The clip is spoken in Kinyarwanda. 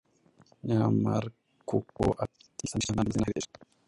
nyamubar kuko atisanisha n’andi mazina aherekeje.